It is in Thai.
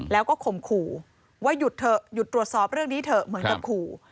แล้วก็ข่มขู่ว่าหยุดเถอะหยุดตรวจสอบเรื่องนี้เถอะเหมือนกับขู่